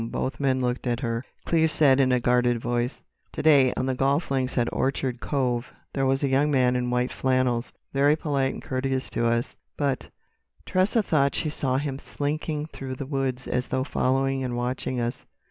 Both men looked at her. Cleves said in a guarded voice: "To day, on the golf links at Orchard Cove, there was a young man in white flannels—very polite and courteous to us—but—Tressa thought she saw him slinking through the woods as though following and watching us."